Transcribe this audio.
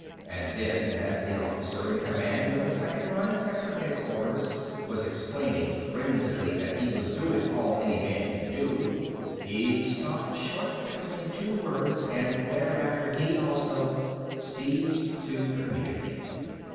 And then, as the officer in command of the second line sector headquarters was explaining frenziedly that he was doing all any man could do, he stopped short between two words and thereafter he, also, ceased to communicate.